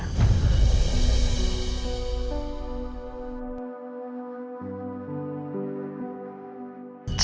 kamu harus berkecil hati